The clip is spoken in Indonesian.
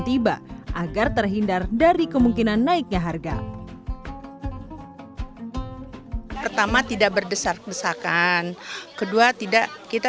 tiba agar terhindar dari kemungkinan naiknya harga pertama tidak berdesak desakan kedua tidak kita